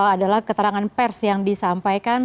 adalah keterangan pers yang disampaikan